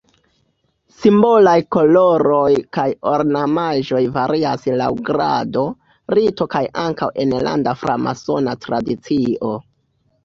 Simbolaj koloroj kaj ornamaĵoj varias laŭ grado, rito kaj ankaŭ enlanda framasona tradicio.